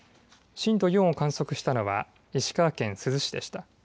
震度を観測したのは、石川県珠洲市でした。